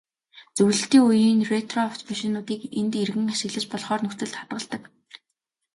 Зөвлөлтийн үеийн ретро автомашинуудыг энд эргэн ашиглаж болохоор нөхцөлд хадгалдаг.